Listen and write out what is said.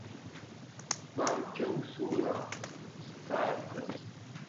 Beṛkaw tura! Setɛerfet!